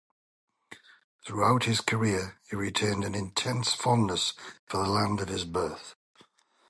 Throughout his career, he retained an intense fondness for the land of his birth.